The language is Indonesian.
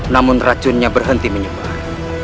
namun racunnya berhenti menyebar